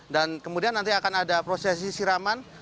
dan kemudian nanti akan ada prosesi siraman